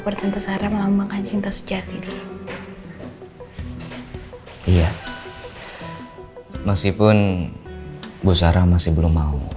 pertentangan ramlah makan cinta sejati iya masih pun bu sarah masih belum mau